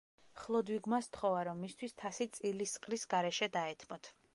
ხლოდვიგმა სთხოვა, რომ მისთვის თასი წილისყრის გარეშე დაეთმოთ.